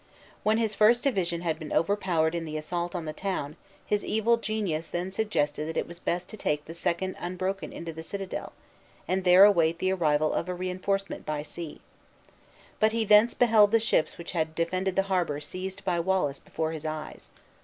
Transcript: When his first division had been overpowered in the assault on the town, his evil genius then suggested that it was best to take the second unbroken into the citadel, and there await the arrival of a reinforcement by sea. But he thence beheld the ships which had defended the harbor seized by Wallace before his eyes.